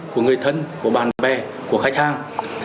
của người thân của bạn bè của khách hàng